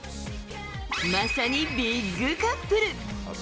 まさにビッグカップル。